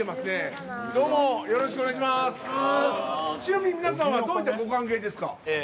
ちなみに皆さんはどういうご関係ですか。